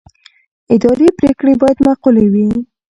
اداري پرېکړې باید معقولې وي.